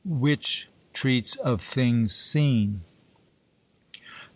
WHICH TREATS OF THINGS SEEN.